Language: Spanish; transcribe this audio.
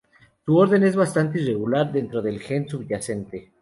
Su orden es bastante irregular dentro del gen subyacente.